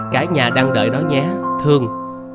cả nhà đang đợi nó nhé thương